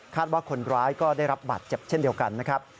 ว่าคนร้ายก็ได้รับบาดเจ็บเช่นเดียวกันนะครับ